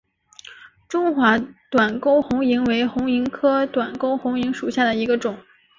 中华短沟红萤为红萤科短沟红萤属下的一个种。